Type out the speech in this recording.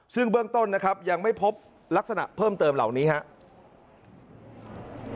ซึ่งเบื้องต้นนะครับยังไม่พบลักษณะเพิ่มเติมเหล่านี้ครับ